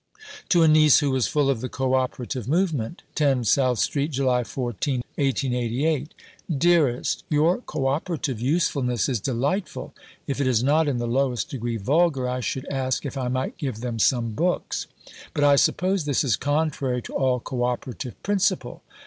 (To a niece, who was full of the co operative movement.) 10 SOUTH STREET, July 14 . DEAREST Your co operative usefulness is delightful. If it is not in the lowest degree vulgar, I should ask if I might give them some books. But I suppose this is contrary to all Co operative principle.